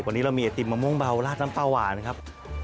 วันนี้เรามีไอติมมะม่วงเบาราดน้ำปลาหวานครับ